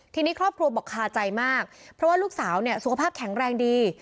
ทีนี้ครอบครัวบอกคาใจมากเพราะว่าลูกสาวเนี่ยสุขภาพแข็งแรงดี